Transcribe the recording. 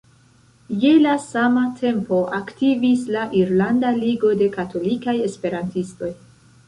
Je la sama tempo aktivis la "Irlanda Ligo de Katolikaj Esperantistoj".